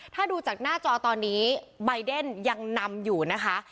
ถ้าดูจากหน้าจอตอนนี้ใบเดนยังนำอยู่นะคะ